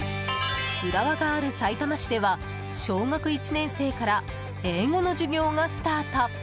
浦和がある、さいたま市では小学１年生から英語の授業がスタート。